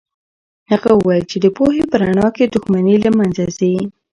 هغه وویل چې د پوهې په رڼا کې دښمني له منځه ځي.